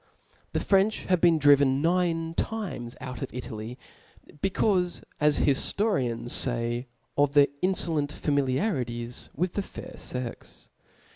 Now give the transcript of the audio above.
The French have been driven nine times out of Italy, becaufe, as hiftorians fay, (*") of their infolent MjScePaf.. familiarities with the fair fex.